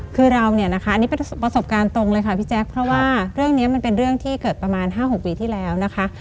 คือเราเนี่ยนะคะอันนี้เป็นประสบการณ์ตรงเลยค่ะพี่แจ๊คเพราะว่าเรื่องนี้มันเป็นเรื่องที่เกิดประมาณ๕๖ปีที่แล้วนะคะ